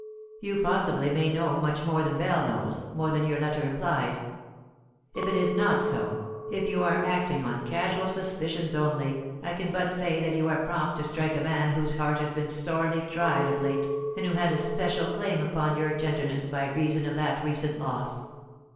You possibly may know much more than Bell knows, more than your letter implies. If it is not so, if you are actiug on casual suspicions only, I can but say that you are prompt to strike a man whose heart has been sorely tried of late, and who had a special claim upon your tenderness by reason of that recent loss.